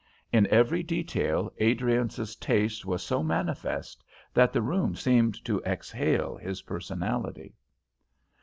In every detail Adriance's taste was so manifest that the room seemed to exhale his personality.